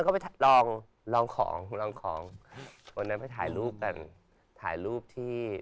ปฏิบัติดี